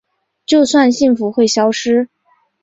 就算幸福会消失